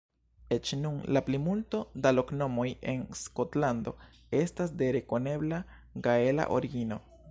Eĉ nun, la plimulto da loknomoj en Skotlando estas de rekonebla gaela origino.